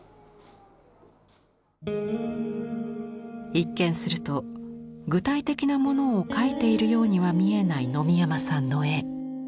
一見すると具体的なものを描いているようには見えない野見山さんの絵。